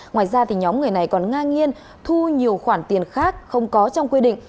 ngoài ra thì nhóm người này còn nga nghiên thu nhiều khoản tiền khác không có trong quy định